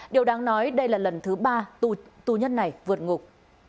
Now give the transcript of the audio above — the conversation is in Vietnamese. điều đáng nói đây là lần thứ ba tù nhân này vượt ngục